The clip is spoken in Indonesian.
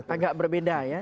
agak berbeda ya